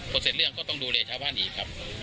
เสร็จเรื่องก็ต้องดูแลชาวบ้านอีกครับ